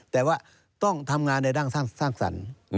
แต่ว่าต้องทำงานในด้านสร้างสรรค์